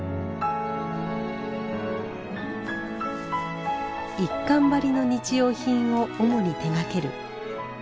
一閑張の日用品を主に手がける